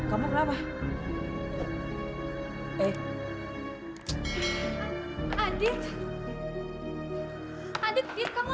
apalagi dari saya